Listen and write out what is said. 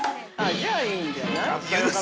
◆じゃあ、いいんじゃない？